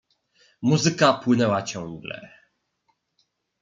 "Muzyka płynęła ciągle."